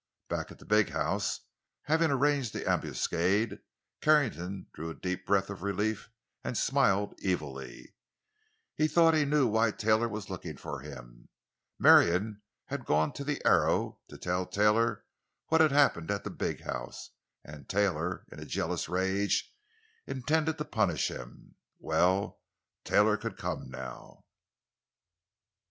Back at the big house—having arranged the ambuscade—Carrington drew a deep breath of relief and smiled evilly. He thought he knew why Taylor was looking for him. Marion had gone to the Arrow, to tell Taylor what had happened at the big house, and Taylor, in a jealous rage, intended to punish him. Well, Taylor could come now.